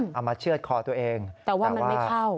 มาเชื่อดคอตัวเองแต่ว่ามันไม่เข้า